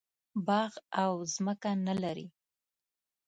باغ او ځمکه نه لري.